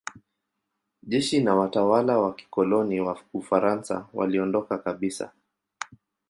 Jeshi na watawala wa kikoloni wa Ufaransa waliondoka kabisa.